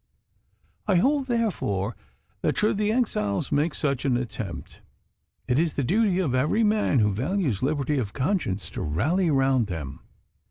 I hold, therefore, that should the exiles make such an attempt, it is the duty of every man who values liberty of conscience to rally round them.